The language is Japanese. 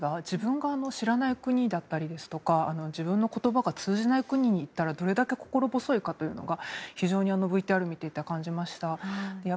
自分が知らない国だったり自分の言葉が通じない国に行ったらどれだけ心細いかというのが非常にＶＴＲ見ていて感じました。